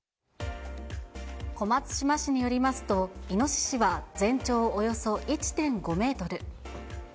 小松島市によりますと、イノシシは全長およそ１．５メートル。